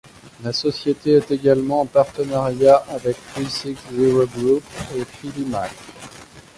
La société est également en partenariat avec Three Six Zero Group et Philymack.